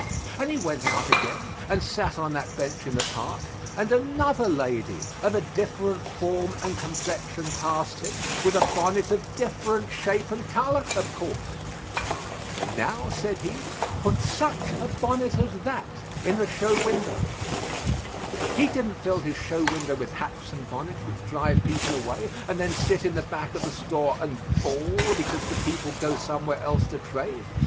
And he went out again and sat on that bench in the park, and another lady of a different form and complexion passed him with a bonnet of different shape and color, of course. "Now," said he, "put such a bonnet as that in the show window." He didn't fill his show window with hats and bonnets which drive people away and then sit in the back of the store and bawl because the people go somewhere else to trade.